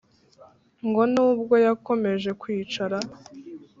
ngo n’ubwo yakomeje kwicara,